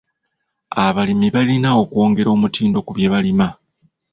Abalimi balina okwongera omutindo ku bye balima.